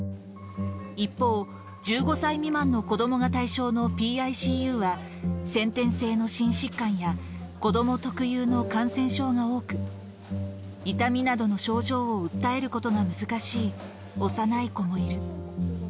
一方、１５歳未満の子どもが対象のＰＩＣＵは、先天性の心疾患や、子ども特有の感染症が多く、痛みなどの症状を訴えることが難しい幼い子もいる。